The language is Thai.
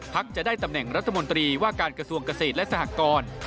จะได้ตำแหน่งรัฐมนตรีว่าการกระทรวงเกษตรและสหกร